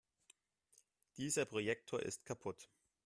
Dieser Projektor ist kaputt.